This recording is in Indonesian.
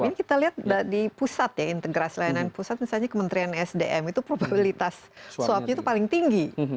ini kita lihat di pusat ya integrasi layanan pusat misalnya kementerian sdm itu probabilitas swabnya itu paling tinggi